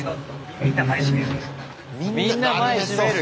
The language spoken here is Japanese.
みんな前しめる！